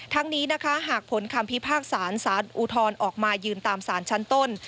ทั้งนี้นะคะหากผลคำพิพากษาสารอุทธรณ์ออกมายืนตามสารชั้นต้น